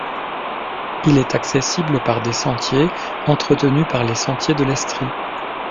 Il est accessible par des sentiers entretenus par Les Sentiers de l'Estrie.